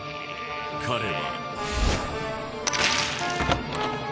彼は